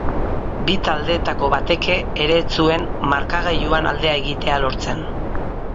Bi taldeetako bateke ere ez zuen markagailuan alde egitea lortzen.